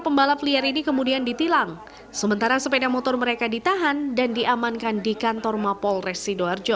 pembalap liar ini kemudian ditilang sementara sepeda motor mereka ditahan dan diamankan di kantor mapol res sidoarjo